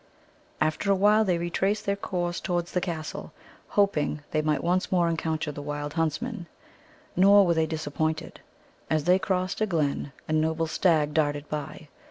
After a while they retraced their course towards the castle, hoping they might once more encounter the wild huntsman. Nor were they disappointed. As they crossed a glen, a noble stag darted by.